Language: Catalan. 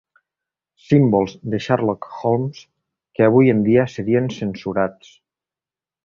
Símbols de Sherlock Holmes que avui en dia serien censurats.